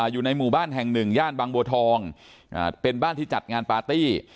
อยู่ในหมู่บ้านแห่งหนึ่งย่านบางบัวทองเป็นบ้านที่จัดงานปาร์ตี้